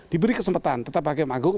diberi kesempatan tetap hakim agung